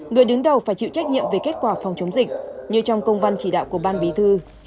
người đứng đầu phải chịu trách nhiệm về kết quả phòng chống dịch như trong công văn chỉ đạo của ban bí thư